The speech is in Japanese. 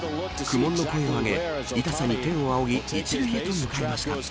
苦悶の声を上げ痛さに天を仰ぎ１塁へと向かいました。